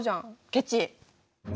ケチ！